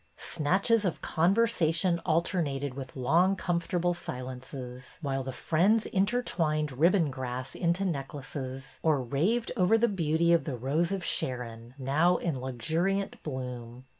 Snatches of conversation alternated with long, comfortable silences, while the friends in tertwined ribbon grass into necklaces or raved over the beauty of the Rose of Sharon, now in luxuriant bloom.